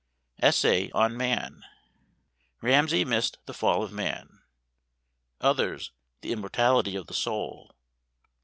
ESSAY ON MAN. Ramsay missed the fall of man. _Others the immortality of the soul.